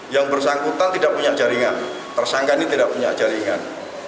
yang bersangkutan tidak punya jaringan tersangka ini tidak punya jaringan